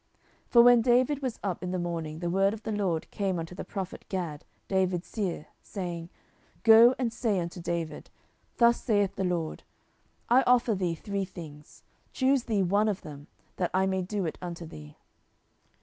10:024:011 For when David was up in the morning, the word of the LORD came unto the prophet Gad, David's seer, saying, 10:024:012 Go and say unto David, Thus saith the LORD, I offer thee three things; choose thee one of them, that I may do it unto thee.